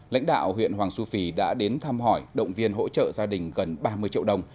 lãnh đạo huyện hoàng su phi đã đến thăm hỏi động viên hỗ trợ gia đình gần ba mươi triệu đồng